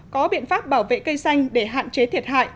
có biện pháp bảo vệ cây xanh để hạn chế thiệt hại